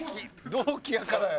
同期やからや。